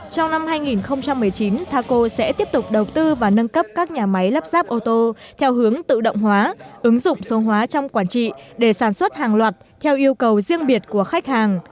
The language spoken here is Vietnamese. trong năm hai nghìn một mươi chín taco sẽ tiếp tục đầu tư và nâng cấp các nhà máy lắp ráp ô tô theo hướng tự động hóa ứng dụng số hóa trong quản trị để sản xuất hàng loạt theo yêu cầu riêng biệt của khách hàng